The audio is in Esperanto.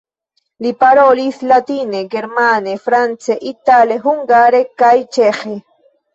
Li parolis latine, germane, france, itale, hungare kaj ĉeĥe.